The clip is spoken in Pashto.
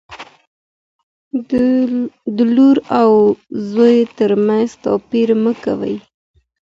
د لور او زوی ترمنځ توپیر مه کوئ.